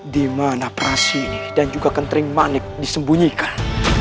dimana prasini dan juga kentering manik disembunyikan